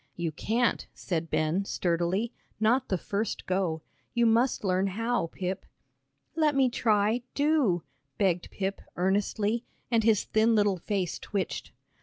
"You can't," said Ben, sturdily, "not the first go. You must learn how, Pip." "Let me try, do," begged Pip, earnestly, and his thin little face twitched.